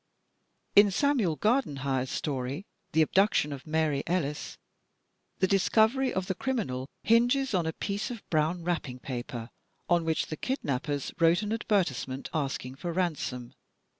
In Samuel Gardenhire's story, "The Abduction of Mary Ellis," the discovery of the criminal hinges on a piece of brown wrapping paper, on which the kidnappers wrote an advertisement asking for ransom.